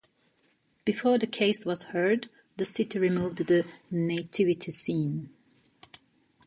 Before the case was heard, the city removed the nativity scene.